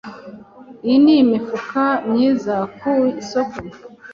Iyi ni imifuka myiza ku isoko.